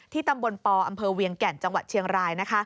ตำบลปอำเภอเวียงแก่นจังหวัดเชียงราย